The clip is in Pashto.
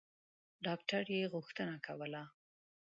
ډاکټر یې غوښتنه کوله.